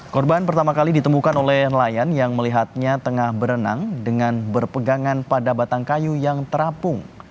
korban pertama kali ditemukan oleh nelayan yang melihatnya tengah berenang dengan berpegangan pada batang kayu yang terapung